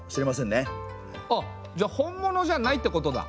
あっじゃあ本物じゃないってことだ。